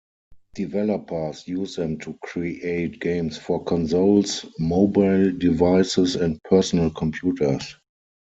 Developers use them to create games for consoles, mobile devices and personal computers.